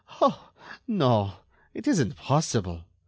Oh! no! It isn't possible!"